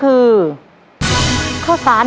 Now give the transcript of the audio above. คุณฝนจากชายบรรยาย